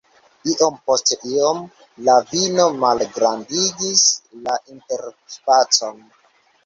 Iom post iom, la vino malgrandigis la interspacon.